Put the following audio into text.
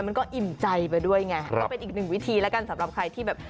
มันก็อิ่มใจไปด้วยไงก็เป็นอีกหนึ่งวิธีแล้วกันสำหรับใครที่แบบ